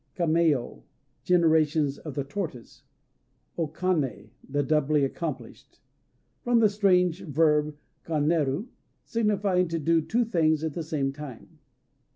Kaméyo "Generations of the Tortoise." O Kané "The Doubly Accomplished." From the strange verb kaneru, signifying, to do two things at the same time.